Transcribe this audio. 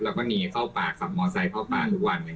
เราก็หนีเข้าป่าขับมอเซ็นต์เข้าป่าทุกวัน